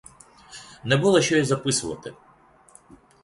Не було що й записувати.